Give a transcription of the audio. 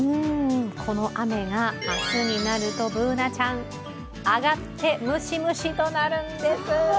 この雨が明日になるとＢｏｏｎａちゃん上がってムシムシとなるんです。